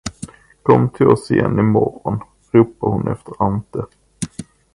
Kom till oss igen i morgon. ropade hon efter Ante.